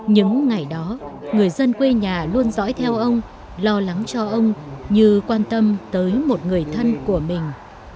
những ngày đó người dân quê nhà luôn dõi theo ông lo lắng cho ông như quan tâm tới một người thân của mình